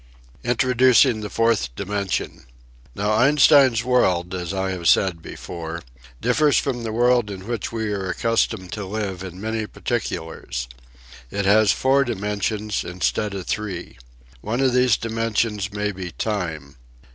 INTRODUCING THE FOURTH DIMENSION Now Einstein's world, as I said before, differs from the world in which we are accustomed to live in many particulars. It has four dimensions instead of three. One of these dimensions may be time.